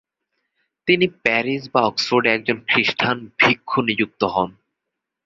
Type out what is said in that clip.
তিনি প্যারিস বা অক্সফোর্ডে একজন খ্রীষ্টান ভিক্ষু নিজুক্ত হন।